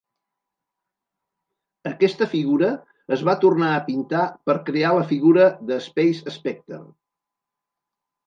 Aquesta figura es va tornar a pintar per crear la figura de Space Specter.